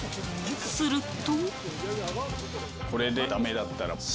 すると。